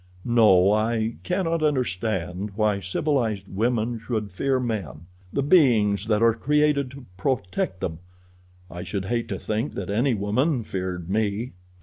No, I cannot understand why civilized women should fear men, the beings that are created to protect them. I should hate to think that any woman feared me."